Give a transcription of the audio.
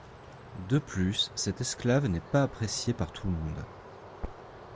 De plus, cet esclave n'est pas apprécié par tout le monde.